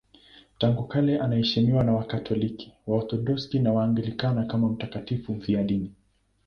Tangu kale anaheshimiwa na Wakatoliki, Waorthodoksi na Waanglikana kama mtakatifu mfiadini.